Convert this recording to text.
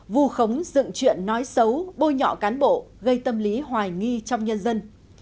vù khống dựng chuyện nói xấu bôi nhọ cán bộ gây tâm lý hoài nghi trong nhân dân